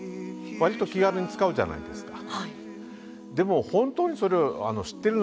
割と気軽に使うじゃないですか。